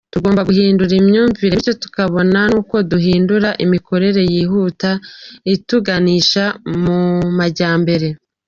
Tugomba guhindura imyumvire bityo tukabona n’uko duhindura imikorere yihuta ituganisha ku majyambere.